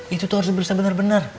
itu tuh harus berusaha bener bener